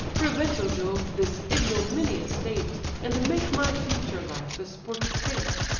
Prevent, O Jove! this ignominious date, And make my future life the sport of fate.